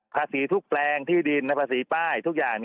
ภาษีทุกแปลงที่ดินและภาษีป้ายทุกอย่าง